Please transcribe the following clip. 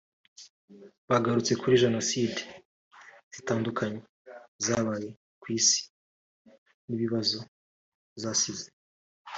bagarutse kuri Jenoside zitandukanye zabaye ku Isi n’ibibazo zasize